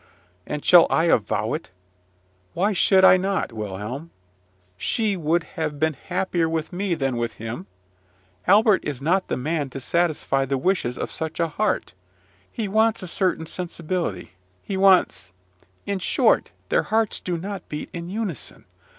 And shall I avow it? Why should I not, Wilhelm? She would have been happier with me than with him. Albert is not the man to satisfy the wishes of such a heart. He wants a certain sensibility; he wants in short, their hearts do not beat in unison.